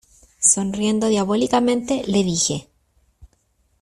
sonriendo diabólicamente, le dije: